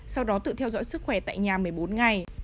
sau đó tự theo dõi sức khỏe tại nhà một mươi bốn ngày